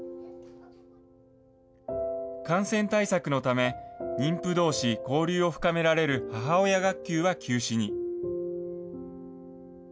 感染対策のため、妊婦どうし、交流を深められる母親学級は休止に。